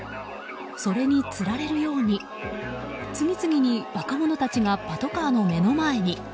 それにつられるように次々に若者たちがパトカーの目の前に。